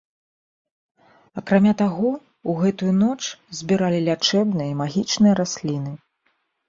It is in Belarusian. Акрамя таго, у гэту ноч збіралі лячэбныя і магічныя расліны.